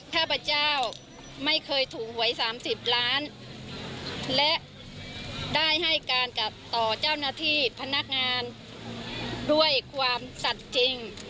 ข้าพเจ้าไม่เคยถูกหวย๓๐ล้านและได้ให้การกับต่อเจ้าหน้าที่พนักงานด้วยความสัตว์จริง